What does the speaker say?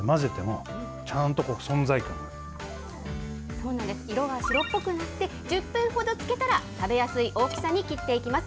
そうなんです、色が白っぽくなって、１０分ほど漬けたら、食べやすい大きさに切っていきます。